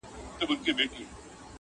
o مرگ په ماړه نس ښه خوند کوي٫